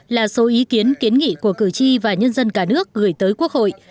hai chín trăm tám mươi sáu là số ý kiến kiến nghị của cử tri và nhân dân cả nước gửi tới quốc hội